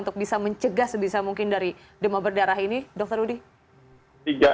untuk bisa mencegah sebisa mungkin dari demam berdarah ini dokter rudy